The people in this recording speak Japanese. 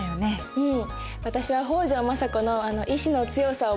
うん。